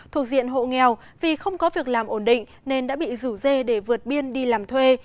thuộc diện hộ nghèo vì không có việc làm ổn định nên đã bị rủ dê để vượt biên đi làm thuê